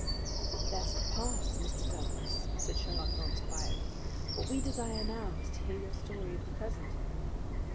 "That's the past, Mr. Douglas," said Sherlock Holmes quietly. "What we desire now is to hear your story of the present."